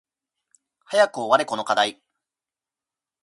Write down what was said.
早く終われこの課題